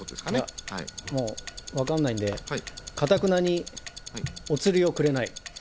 もうわかんないんで、かたくなにおつりをくれない。